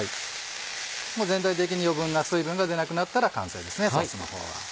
全体的に余分な水分が出なくなったら完成ですねソースの方は。